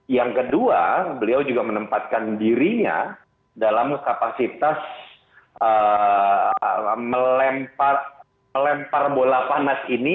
yang kedua beliau juga menempatkan dirinya dalam kapasitas melempar bola panas ini